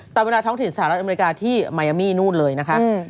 ตามเวลาท้องถิ่นสหรัฐอเมริกาที่มายามี่นู่นเลยนะคะ